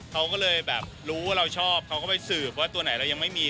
เขาก็เลยแบบรู้ว่าเราชอบเขาก็ไปสืบว่าตัวไหนเรายังไม่มี